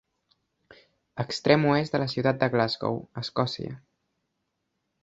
Extrem oest de la ciutat de Glasgow, Escòcia.